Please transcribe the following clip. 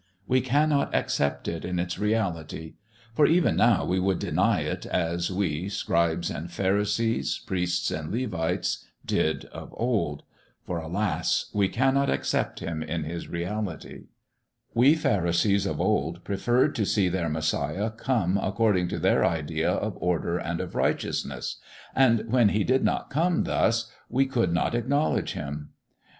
We cannot accept it in its reality; for even now we would deny it as we, scribes and pharisees, priests and Levites, did of old. For, alas! we cannot accept Him in His reality. We pharisees of old preferred to see their Messiah come according to their idea of order and of righteousness, and when He did not come thus, we could not acknowledge Him.